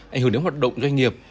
ảnh hưởng đến hoạt động doanh nghiệp